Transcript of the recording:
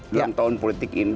dalam tahun politik ini